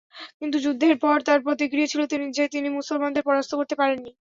কিন্তু যুদ্ধে পর তার প্রতিক্রিয়া ছিল যে, তিনি মুসলমানদের পরাস্ত করতে পারেননি।